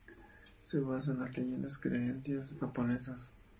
Se basa en las leyendas y creencias japonesas.